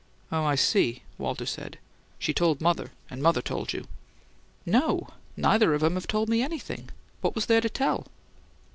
"Oh, I see," Walter said. "She told mother and mother told you." "No, neither of 'em have told me anything. What was there to tell?"